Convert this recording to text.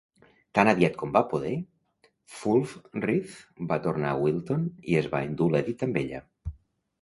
Tan aviat com va poder, Wulfthryth va tornar a Wilton i es van endur l'Edith amb ella.